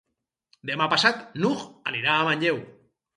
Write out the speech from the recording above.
Demà passat n'Hug anirà a Manlleu.